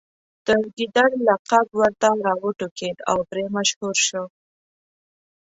د ګیدړ لقب ورته راوټوکېد او پرې مشهور شو.